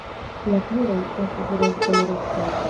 La kruroj estas rozkolorecaj.